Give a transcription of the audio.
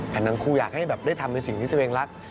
แถมน้องครูอยากให้ได้ทำเป็นสิ่งที่ตัวเองรัก